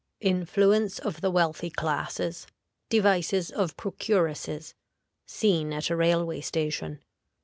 Influence of the Wealthy Classes. Devices of Procuresses. Scene at a Railway Station.